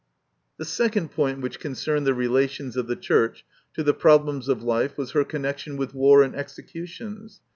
The second point which concerned the relations of the Church to the problems of life was her connection with war and executions.